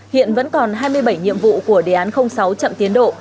hiện vẫn còn hai mươi bảy nhiệm vụ của đề án sáu chậm tiến độ